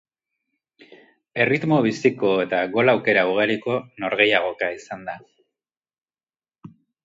Erritmo biziko eta gol aukera ugariko norgehiagoka izan da.